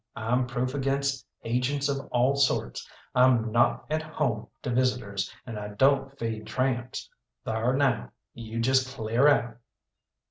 I'm proof against agents of all sorts, I'm not at home to visitors, and I don't feed tramps. Thar now, you just clear out."